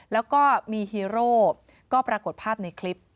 แล้วก็มีฮีโร่ก็ปรากฏภาพในคลิป